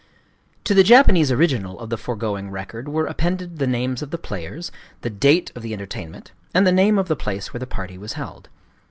To the Japanese original of the foregoing record were appended the names of the players, the date of the entertainment, and the name of the place where the party was held.